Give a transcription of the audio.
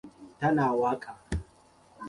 Tana waƙa.